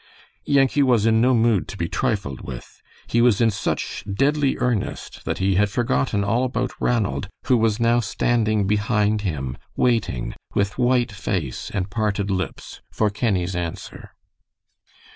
Yankee was in no mood to be trifled with. He was in such deadly earnest that he had forgotten all about Ranald, who was now standing behind him, waiting, with white face and parted lips, for Kenny's answer.